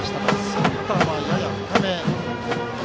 センターはやや深め。